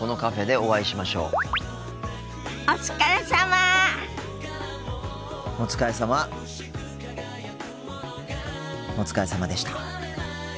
お疲れさまでした。